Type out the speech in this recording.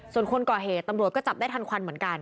ส่วนคนก่อเหตุตำรวจก็จับได้ทันควันเหมือนกัน